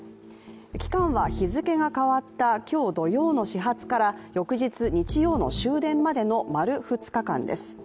期間は日付が変わった今日土曜の始発から翌日、日曜の終電までの丸２日間です。